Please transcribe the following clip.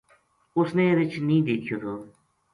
اس نے رچھ نیہہ دیکھیو تھو